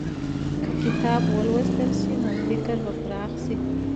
که کتاب ولوستل شي، نو فکر به پراخ شي.